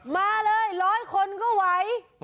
มาเลยร้อยคนก็ไหว